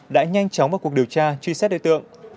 đã nhanh chóng vào cuộc điều tra truy xét đối tượng